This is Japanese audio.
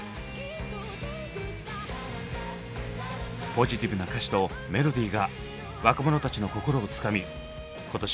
ポジティブな歌詞とメロディーが若者たちの心をつかみ今年